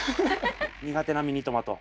苦手なミニトマト。